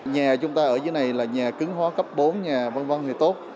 nhà chúng ta ở dưới này là nhà cứng hóa cấp bốn nhà vân vân thì tốt